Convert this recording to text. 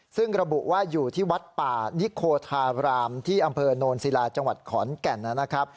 ซึ่งระบุว่าอยู่ที่วัดป่านิโคธารามที่อำเภอโนนศิลาจังหวัดขอนแก่นนะครับ